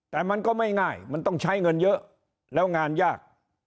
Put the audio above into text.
แต่มันก็ไม่ง่ายมันต้องใช้เงินเยอะแล้วงานยาก